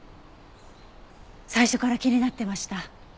最初から気になってました。